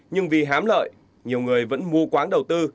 nhưng vì hám lợi nhiều người vẫn mua quán đầu tư